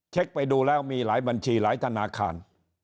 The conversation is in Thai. ไปดูแล้วมีหลายบัญชีหลายธนาคาร